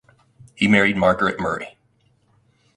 He married Margaret Murray.